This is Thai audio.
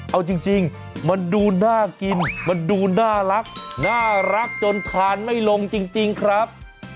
เอาจริงมันดูน่ากินมันดูน่ารักจนทานไม่ลงจริงครับ